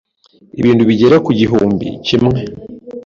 ibintu bigera ku gihumbi kimwe